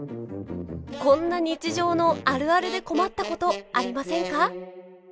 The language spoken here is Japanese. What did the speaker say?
こんな日常のあるあるで困ったことありませんか？